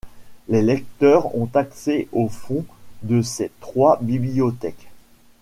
Les lecteurs ont accès aux fonds de ces trois bibliothèques.